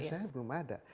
di indonesia belum ada